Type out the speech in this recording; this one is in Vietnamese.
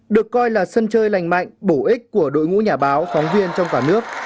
được coi là sân chơi lành mạnh bổ ích của đội ngũ nhà báo phóng viên trong cả nước